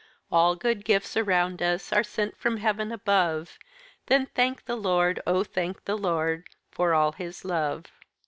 "All good gifts around us Are sent from heaven above, Then thank the Lord, oh thank the Lord, For all His love."